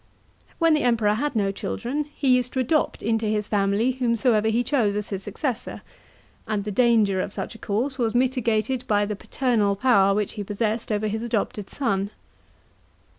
When the Emperor had no children, he used to adopt into his family whomsoever he chose as his successor, and the danger of such a course was mitigated by the paternal power which he possessed over his adopted son.